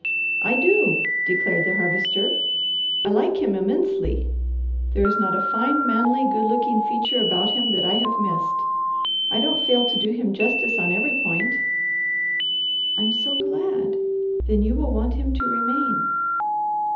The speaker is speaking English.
"I do!" declared the Harvester. "I like him immensely. There is not a fine, manly good looking feature about him that I have missed. I don't fail to do him justice on every point." "I'm so glad! Then you will want him to remain."